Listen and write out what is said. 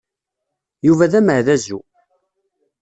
Yuba d ameɛdazu.